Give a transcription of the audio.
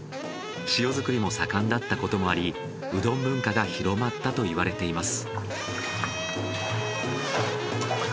塩作りも盛んだったこともありうどん文化が広まったといわれています。